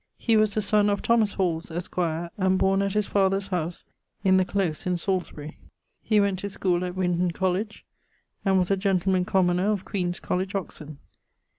He was the sonne of Thomas Hawles, esq., and borne at his father's house in the close in Salisbury. He went to school at Winton College, and was a gentleman commoner of Queen's College, Oxon.